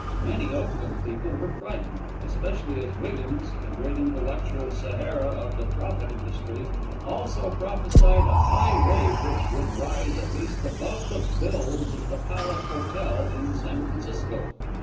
Many Oakland people were frightened, especially as Wiggins, the great intellectual Sahara of the prophet industry, also prophesied a high wave which would rise at least above the bills at the Palace Hotel in San Francisco.